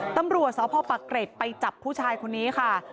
ตำรวจสพปะเกร็ดไปจับผู้ชายคนนี้ค่ะ